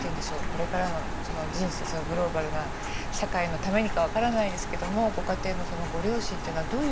これからの人生グローバルな社会のためにか分からないですけどもご家庭のご両親っていうのはどういう気持ちで？